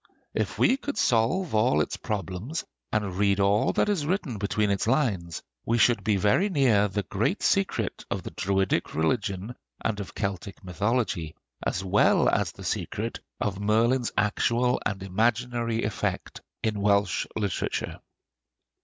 If we could solve all its problems and read all that is written between its lines, we should be very near the great secret of the Druidic religion and of Celtic mythology, as well as the secret of Merlin's actual and imaginary effect in Welsh literature.